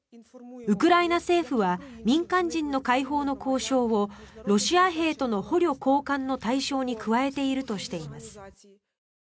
ウクライナ政府は民間人の解放の交渉をロシア兵との捕虜交換の対象に加えているとしています。